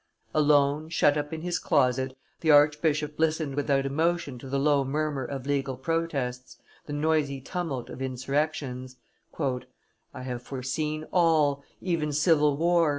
Alone, shut up in his closet, the archbishop listened without emotion to the low murmur of legal protests, the noisy tumult of insurrections. "I have foreseen all, even civil war.